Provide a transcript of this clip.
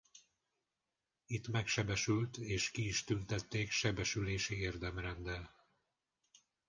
Itt megsebesült és ki is tüntették sebesülési érdemrenddel.